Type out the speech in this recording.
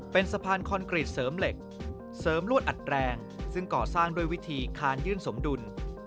เป็นสะพานคอนกรีตเสริมเหล็กเสริมลวดอัดแรงซึ่งก่อสร้างด้วยวิธีคานยื่นสมดุล